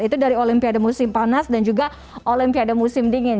itu dari olimpiade musim panas dan juga olimpiade musim dingin